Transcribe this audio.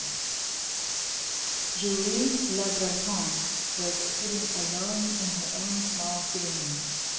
VII Julie le Breton was sitting alone in her own small sitting room.